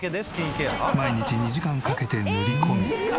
毎日２時間かけて塗り込む。